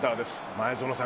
前園さん